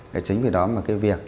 thì chính vì đó mà cái việc này